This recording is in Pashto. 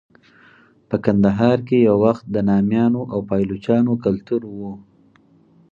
په کندهار کې یو وخت د نامیانو او پایلوچانو کلتور و.